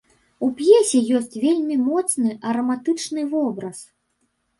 У п'есе ёсць вельмі моцны араматычны вобраз.